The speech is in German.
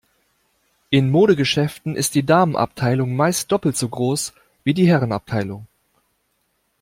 In Modegeschäften ist die Damenabteilung meist doppelt so groß wie die Herrenabteilung.